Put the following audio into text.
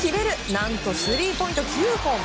何とスリーポイント９本！